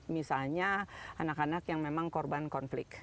misalnya anak anak yang memang korban konflik